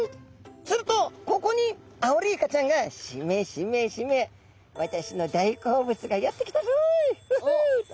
するとここにアオリイカちゃんが「しめしめしめ私の大好物がやって来たぞい！フフ！」と。